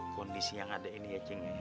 kondisi yang ada ini ya kayaknya